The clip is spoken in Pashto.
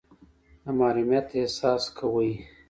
د محرومیت احساس کوئ.